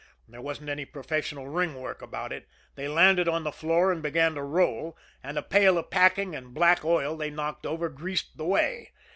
There wasn't any professional ring work about it. They landed on the floor and began to roll and a pail of packing and black oil they knocked over greased the way.